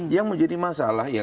yang menjadi masalah